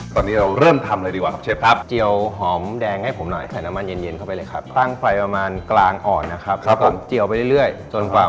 ตอนนี้เราเริ่มทำเลยดีกว่าครับเชฟ